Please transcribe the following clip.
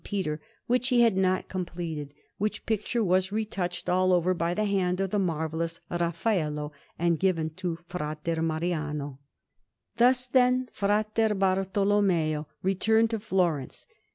Peter, which he had not completed; which picture was retouched all over by the hand of the marvellous Raffaello, and given to Fra Mariano. Thus, then, Fra Bartolommeo returned to Florence.